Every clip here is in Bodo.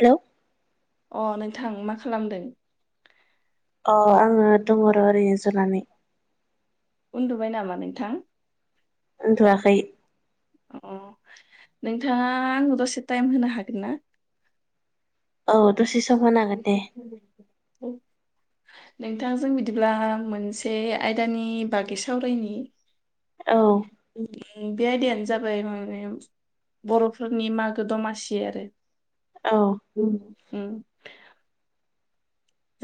हेलौ। अ नोंथां मा खालामदों? अ आङो दङर' ओरैनो जनानै। उन्दुबाय नामा नोंथां? उन्दुयाखै। अ नोंथाङा आंनो दसे टाइम होनो हागोन ना? औ। दसे सम होनो हागोन दे। नोंथांजों बिदिब्ला मोनसे आयदानि बागै सावरायनि। औ। उम, बे आयदायानो जाबाय माने बर'फोरनि मागो दमासि आरो। औ। उम।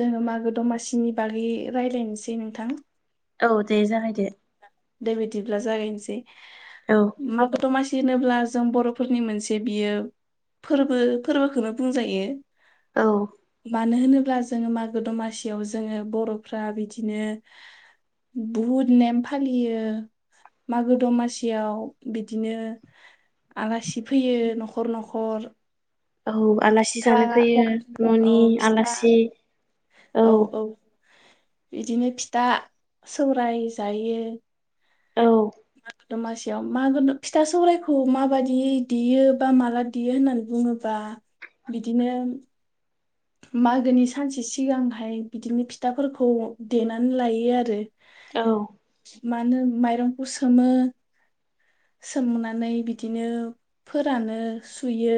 जोङो मागो दमासिनि बागै रायज्लायनोसै नोंथां। औ दे जागाय दो। दे बिदिब्ला जागायनोसै। औ मागो दमासि होनोब्ला जों बर'फोरनि मोनसे बियो फोरबो फोरबोखौनो बुंजायो। औ मानो होनो ब्ला जोङो मागो दमासियाव जोङो बर'फ्रा बिदिनो बुहुद नेम फालियो मागो दमासियाव बिदिनो आलासि फैयो न'खर न'खर औ आलासि फिथा जानो फैयो औ न'नि फिथा आलासि औ औ। बिदिनो फिथा सौराय जायो। औ दमासियाव मागो फिथा सौरायखौ माबायदि देयो बा माला देयो होननानै बुङोबा बिदिनो मागोनि सानसे सिगांहाय बिदिनो फिथाफोरखौ देनानै लायो आरो। औ। मानो माइरंखौ सोमो सोमनानै बिदिनो फोरानो सुयो।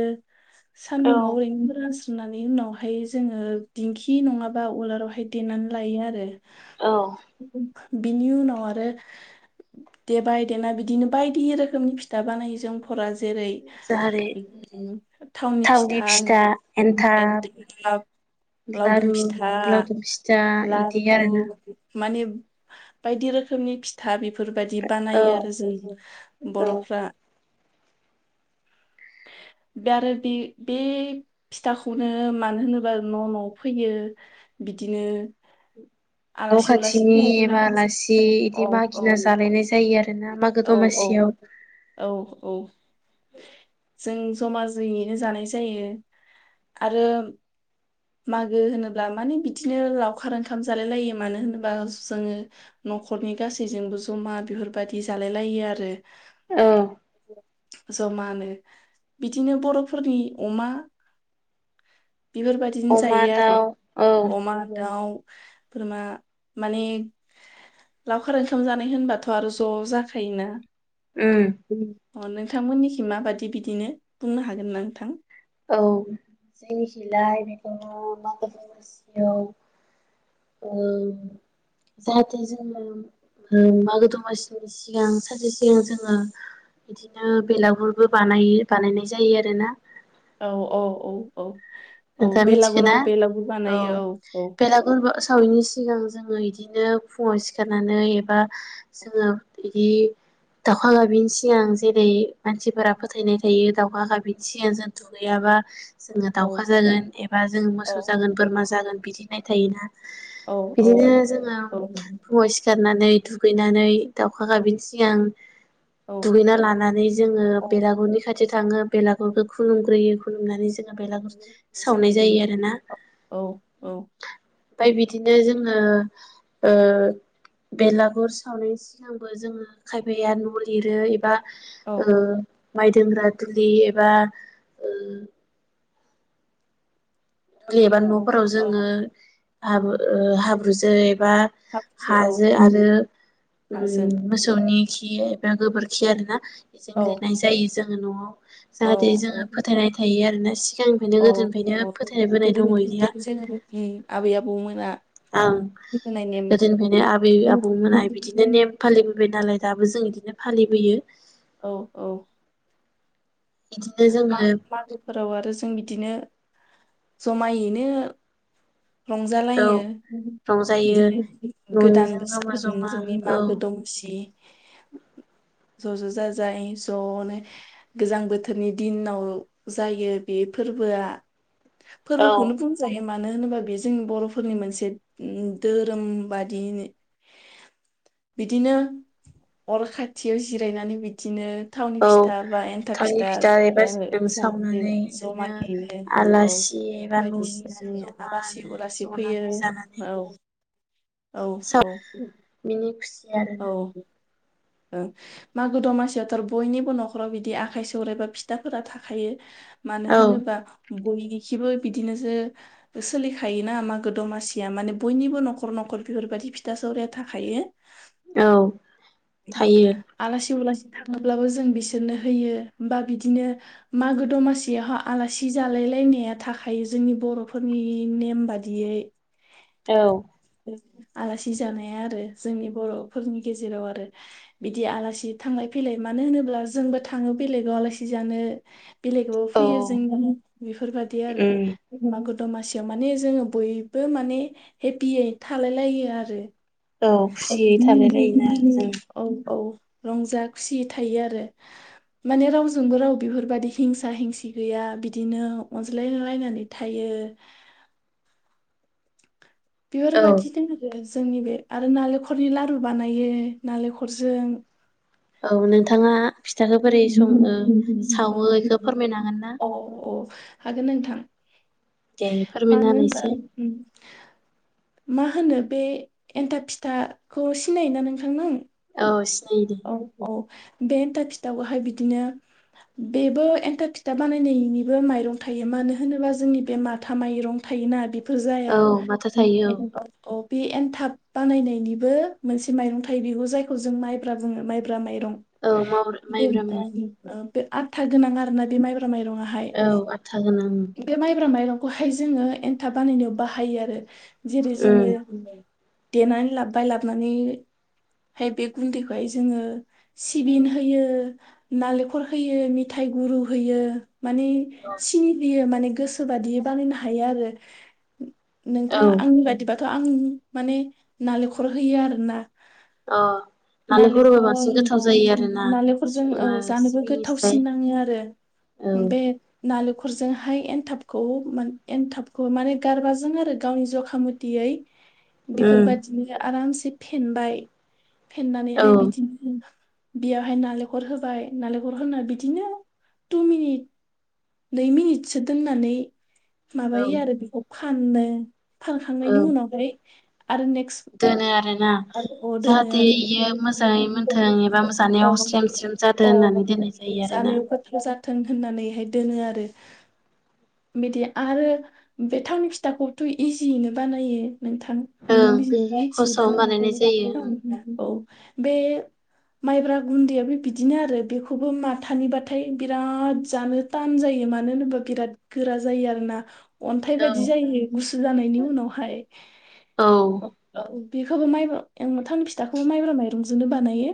औ सान्दुंआव ओरैनो फोरानस्रो नुनानै उनावहाय जोङो दिंखि नङाबा उलारावहाय देनानै लायो आरो। औ। बिनि उनाव आरो देबाय देना बिदिनो बायदि रोखोमनि फिथा बानायो जों फोरा जेरै जेरै थावनि फिथा एन्थाब लावदुम लारु फिथा लावदुम फिथा इदि आरोना लारु माने बायदि रोखोमनि फिथा बे बेफोरबादि औ बानायो आरो जोंबो। औ बर'फ्रा [unintelligible] बे आरो बे बे फिथाखौनो मानो होनोबा न' न'आव फैयो बिदिनो न' आलासि उलासि खाथिनि फोयोबोला एबा आलासि इदि औ औ मागिना जालायनाय जायो आरोना मागो औ दमासियाव औ औ औ जों जमा जुयैनो जानाय जायो आरो मागो होनोब्ला माने बिदिनो लावखार ओंखाम। जालाय लायो मानो होनोबा जोंङो न'खरनि गासैजोंबो जमा बेफोरबायदि जालाय लायो आरो। औ। जमानो बिदिनो बर'फोरनि अमा। बेफोरबायदिनो अमा जायो दाउ आरो औ अमा दाउ। बोरमा माने लावखार ओंखाम जानाय होनबाथ' आरो ज' जाखायोना। ओम। अ नोंथांमोननिखि माबादि बिदिनो बुंनो हागोन ना नोंथां। औ जोंनिखिलाय बेखौ मोसौ। औ जाहाथे जोंङो मागो दमासिनि सिगां सानसे सिगां जोंङो बिदिनो बेलागुरबो बानायो बानायनाय जायो आरोना। औ-औ-औ-औ। नोंथाङा मिथिगोना औ बानायो औ बेलागुर [unintelligible] सावैनि सिगां जोंङो बिदिनो फुंङाव सिखारनानै एबा जोंङो बिदि दाउखा गाबिनि सिगां जेरै मानसिफोरा फोथायनाय थायो दाउखा गाबिनि सिगां जों दुगैयाबा जोंङो। औ दाउखा जागोन एबा जोंङो औ मोसौ जागोन बोरमा जागोन। बिदि होननाय थायोना। औ बिदिनो जोंङो औ फुंङाव सिखार। नानै दुगैनानै दाउखा गाबैनि सिगां। औ दुगैना लानानै जोंङो औ बेलागुरनि खाथियाव थांङो बेलागुरखौ खुलुमग्रोयो। हुमनानै जों बेलागुर। जों सावनाय बिदिनो जायो आरोना औ-औ। ओमफाय बिदिनो जोंङो ओ बेलागुर सावनायनि सिगांबो जोंङो खायफाया न लिरो एबा। औ ओ। माइ दोनग्रा दुलि एबा ओ। दुलि एबा औ न'फोराव जोंङो। औ हाब ओ हाब्रुजो एब। एबा हाब्रुजो हाजो औ आरो हाजों ओम मोसौनि। खि गोबोरखि आरोना। बेजों औ लिरनाय जायो जों। जो न'आव। औ जाहाथे जोंङो औ फोथायनाय थायो आ। [unintelligible] सिगांनिफ्रायनो [inaudible] गोदोनिफ्रायनो। फोथायबोनाय दङ इदिया मोना। आं गोदोनिफ्रायनो आबै आबौमोनहा बिदिनो नेम फालिबोबाय नालाय। दाबो जों इदिनो फालिबोयो। औ औ। बिदिनो माग जोङो मागोफोराव आरो जों बिदिनो जमायैनो औ रंजालायो रंजायो बिदिनो गोदान न'निजों बोसोर जमा जमा जोंनि औ मागो दमासि ज' ज' जाजाय ज'नो गोजां बोथोर नि दिनाव जायो बे फोरबोआ। औ फोरबोखौनो बुंजायो मानो होनोबा बेयो जोंनि बर'फोरनि मोनसे दोहोरोम बादि बिदिनो अर खाथियाव जिरायनानै बिदिनो थावनि औ फिथा बा एन्थाब थालिर फिथा एबा जाहैयो सावनानै बिदिनो जमाहैनो औ आलासि एबा न'निजों बायदिसिनानि आलासि जमानो उलासि जनानै फैयो जानानै औ औ औ। [inaudible] औ। ओ मागो दमासियावथ' आरो बयनिबो न'खराव बिदि आखाइ सौराइबा फिथाफोरा थाखायो। मानो औ होनोबा बय इखिबो बिदिनोसो सोलिखायोना मागो दमासिया माने बयनिबो न'खर न'खर बेफोरबायदि फिथा सौराया थाखायो। औ। थायो आलासि उलासि थाङोब्लाबो जों बिसोरनो होयो बा बिदिनो मागो दमासियावहा आलासि जालाय लायनाया थाखायो जोंनि बर'फोरनि नेम बादियै। औ। आलासि जानाया आरो जोंनि बर'फोरनि गेजेराव आरो। बिदि आलासि थांलाय फैलाय मानो होनोब्ला जोंबो थाङो बेलेगाव आलासि जानो बेलेगाबो औ फैयो जोंना बेफोरबायदि उम आरो मागो दमासियाव माने जोङो बयबो माने हेपियै थालायलायो आरो। औ खुसियै थालाय लायोना जों औ औ। रंजा खुसि थायो आरो माने रावजोंबो राव बेफोरबायदि हिंसा हिंसि गैया बिदिनो अनज्लायलायनानै थायो औ बेफोरबादि दोङो जोंनि बे आरो नालेंखरनि लारु बानायो नालेंखरजों। औ नोंथाङा फिथाखौ बोरै सङो औ सावो बेखौ फोरमायनो हागोन ना औ औ। हागोन नोंथां। दे फोरमायना मानो होनाय होनबा एसे। उम, मा होनो बे एन्थाब फिथाखौ सिनायोना नोंथां नों अ सि औ औ बे एन्थाब फिथाखौहाय बिदिनो बेबो एन्थाब फिथा बानायनायनिबो माइरं थायो मानो होनोबा जोंनि बे माथा माइरं थायोना बे बो जाया औ माथा थायो बे एन्थाब बानायनायनिबो मोनसे माइरं थायो बिबो जायखौ जों माइ ब्रा बुङो माइब्रा माइ औ माब्रो माइब्रा माय ओ बे आथा गोनां आरो ना बे माइब्रा ब्रा माइरं आहाय औ आथा गोनां बे माइब्रा माइरं खौहाय जोङो एन्थाब बानायनायाव बाहायो आरो जेरै जोङो उम देनानै लाबबाय लाबनानैहाय बे गुन्दैखौ ओमफ्राय जोङो सिबिन होयो नालेंखर होयो मथायाइ गुरु होयो। माने सिनि बियो माने गोसो बादियै बानायनो हायो आरो नोंथां औ आंनि बायदिबा थ आं माने नालेखल होयो आरोना अ नालेंखर होबा बांसिन नालेंखल गोथाव औ जायो आरोना नालेंखरजों औ मा जानोबो सिबिंनिस्राय गोथावसिन नाङो आरो औ बे नालें खरजोंहाय एनथाबखौ एनथाबखौ माने गारबाजों आरो गावनि जखा मटै उम बेफोरबायदिनो आरामसे फेनबाय औ फेनानैहाय बिदिनो बेयावहाय नालेंखर होबाय नालेंखर होनानै बिदिनो टु मिनिट नै मिनिटसो दोननानै औ माबायो आरो बेखौ खाननो फानखांनायनि औ उनावहाय आरो नेक्स ना जाहाथे इयो मोजाङै मोनथों एबा जानायाव स्रेम स्रेम जादों अ होननानै दोननाय जायो आरोना जानायाव गोथाव जाथों होननानैहाय दोनो आरो बिदि आरो बे थावनि फिथाखौथ' इजियैनो बानायो नोंथां ओं खसआव होनना बानायनाय जायो बुं औ। बे माइब्रा गुन्दैयाबो बिदिनो आरो बेखौबो माथानिबाथाय बिराद जानो टान जायो मानो होनोबा बिराद गोरा जायो आरोना अन्थाइ औ बायदि जायो गु सु जानायनि उनावहाय। औ अ औ। बेखौबो माइ ओ एमथामनि फिथाखौबो माइब्रा माइरंजोंनो बानायो।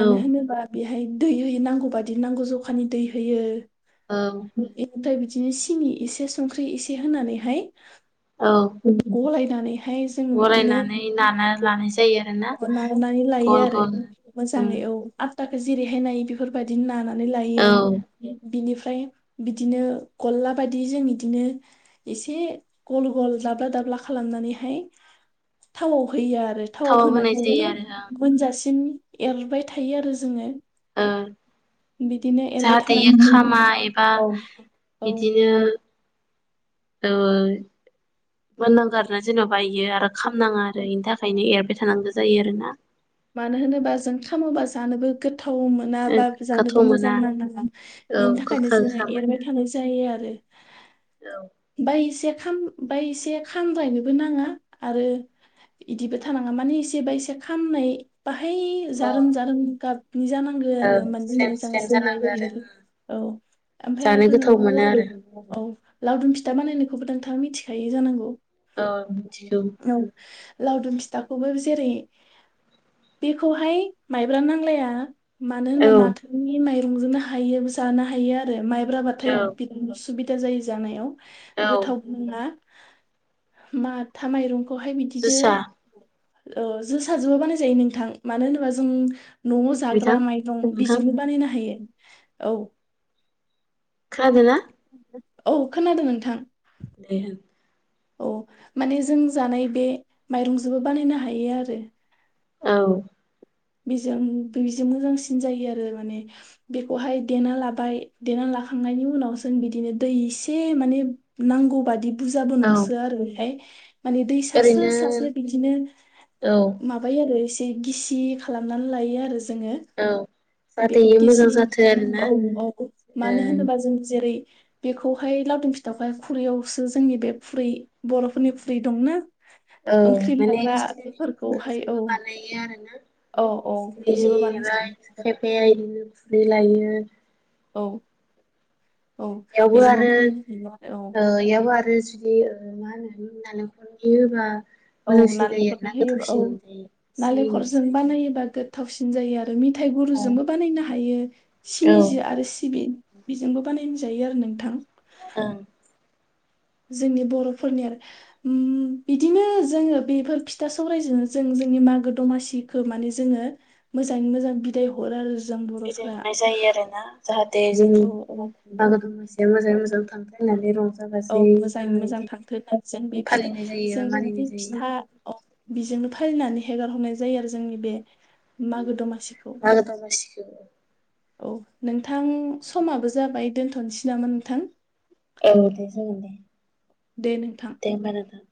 औ होनोबा बेहाय दै होयो नांगौ बादि नांगौ जखानि दै होयो। औ एनिफ्राय बि बिदिनो सिनि एसे संख्रि एसे होनानैहाय औ गलाय नानै ओमफाय जों बिदिनो गलायनानै नाना लानाय जायो आरोना नागोनानै लायो गल आरो गल मोजाङै औ। थाखो जिरैहाय नायो बेफोर बाय दि नानानै लायो। औ बिनिफ्राय ओमफ्राय बिदिनो गलला बायदि जों इदिनो एसे गल गल दाब्ला दाब्ला खालामनानैहाय थावआव होयो आरो थावाव होना होनाय जायो बिदिनो आरो गुनजासिम एरबाय थायो आरो जोङो। ओ बिदिनो एरबाय जाहाथे थानानै खामा एबा औ बिदिनो ओ मोननांगो आरो ना जेन'‌ बा इयो आरो खामनाङा आरो बेनि थाखायनो एरबाय थानांगो जायो आरोना। मानो होनोबा जों खामोबा जानोबो गो थाव ओ मोनाबा गोथौ जानोबो मोना मोजां नाङा। औ बेनि थाखायनो गोखा जोङो गोखा मोना एरबाय थानाय जायो आरो। औ बाय इसे खाम बाय एसे खामद्रायनोबो नाङा आरो इदिबो थानाङा माने एसे बा एसे खामनाय बा फाय अ जारोम जारोम गाबनि जानांगो औ आरो मानि स्रेम स्रेम मोजांसिन जानांगौ जायो आरो बेयो। औ ओमफाय जानो आरो गोथाव [inaudible] मोनो आरो लाव औ लावदुम फिथा बानायनो बेखौबो नोंथांआ मिथिखायो जानांगौ। औ मिथिगौ औ लावदुम फिथा फिथाखौबो जेरै बेखौहाय माइब्रा नांलाया मानो होनबा औ माथोनि माइ संजोबनो हायो जानो हायो आरो माइ ब्राबाथाय औ बिदिनिस सुबिदा जायो जानायाव औ गोथाव बुङा माथा माइरं खौहाय बिदिनो जोसा औ जोसाजोबो बानाय ज जायो नोंथां मानो होनोबा जों न'आव बिथां जाग्रा माइरं नोंथां बेजोंनो बानायनो हायो औ खोनादोना औ खोनादों नोंथां दे होन औ माने जों जानाय बे माइरंजोंबो बानायनो हायो आरो औ बेजों बैजों मोजांसिन जायो आरो माने बेखौहाय देना लाबाय देना लाखांनायनि उनाव जों बिदिनो दै इसे माने नांगौ बादि बुजाबो औ नंसोआ आरो बेहाय माने दै सार्रो ओरैनो सार्रो बिदिनो औ माबायो आरो एस बे गिसि खालामनानै लायो आरो ज जोङो जाहाथे बेखौ इयो मोजां गिसिनि जाथो आरोना औ औ [unintelligible] मानो होनोबा जों जेरै बेखौहाय लावदुम फिथावखाय खुरैआवसो जोंनि बे खुरै बर'फोरनि खुरै दंना औ ओंख्रि माने लाग्रा थिख्लिनि बेफोरखौहाय औ मुरखाजोंबो बानायो आरो ना औ औ सिखिरि बिजोंबो बानाय [unintelligible] जायो खायफाया इदिनो खुरै लायो औ औ इयावबो बेजोंबो आरो बानायनो हायो आरो ओ इयावबो आरो ज जि ओ मा होनो [inaudible] औ मोजांसिन जायो आरोना नालेंखरनि होयो औ गोथावसिन मोनजायो नालेंखरजों सिबिंनिसाय बानायोबा गोद थावसिन जायो आर ओ मिथाइ औ गुरुजोंबो बानायनो हायो ओं सिनिजो आरो सिबिन बेजोंबो बानायनाजायो आरो नोंथां ओ जोंनि बर'फोरनि आरो उम बिदिनो जोङो बेफोर फिथा सौरायजों जों जोंनि मागो दमासिखो माने जोङो मोजाङै मोजां बिदाय हरो आरो ज बिदाय हरनाय जायो आरो ना जाहाथ दे जोंनि औ औ मागो दमासिया मोजाङै औ मोजां थांफ होननानै रंजायो [inaudible] औ मोजाङै मोजां थांथों आरो जों बे फिथा फालिनाय जायो जों एबा बिदि मानिनाय जायो फिथा [inaudible] बेजोंनो फालिनानै हेगार हरनाय जायो आरो जोंनि बे मागो दमा [unintelligible] औ नोंथां समाबो जाबाय दोनथ'नोसै नामा नोंथां। औ दे जागोनदे। दे नोंथां दे होमबा नोंथां।